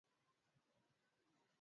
ashe alikuwa akifanyiwa upasuaji wa moyo